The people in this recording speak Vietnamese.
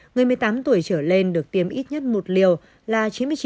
người một mươi tám tuổi trở lên được tiêm ít nhất một liều là chín mươi chín